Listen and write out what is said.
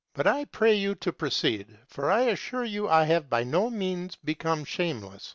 But I pray you to proceed. For I assure you I have by no means become shameless.